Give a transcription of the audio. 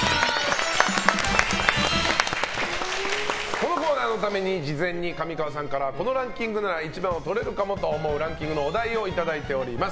このコーナーのために事前に、上川さんからこのランキングなら１番をとれるかもと思うランキングのお題をいただいております。